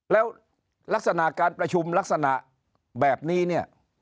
แล้วลักษณะการประชุมลักษณะแบบนี้เนี่ย